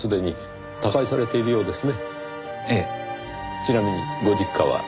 ちなみにご実家は？